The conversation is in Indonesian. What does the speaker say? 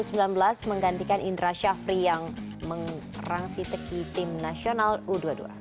dan ini adalah pengalaman dari indra syafri yang merangsi teki tim nasional u dua puluh dua